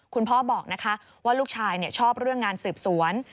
คุณพ่อบอกนะคะว่าลูกชายชอบเรื่องงานสืบสวน